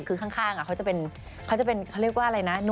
คือข้างเขาจะเป็นเขาจะเป็นเขาเรียกว่าอะไรนะ